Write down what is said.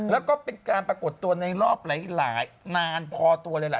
แล้วก็เป็นการปรากฏตัวในรอบหลายนานพอตัวเลยล่ะ